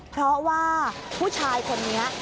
เพราะว่าผู้ชายคนนี้